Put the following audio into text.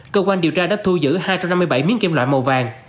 cơ quan điều tra đã thu giữ hai trăm năm mươi bảy miếng kim loại màu vàng